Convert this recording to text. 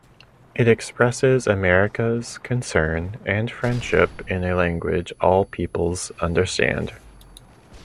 It expresses America's concern and friendship in a language all peoples understand.